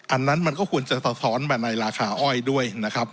อันนั้นก็ควรจะสะส้อนในราคาอ้อยด้วย